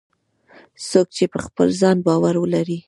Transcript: څوک چې په خپل ځان باور ولري